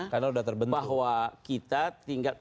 masalahnya bahwa kita tinggal